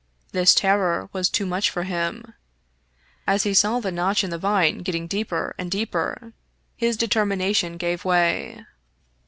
This terror was too much for him. As he saw the notch in the vine getting deeper and deeper, his determination gave way.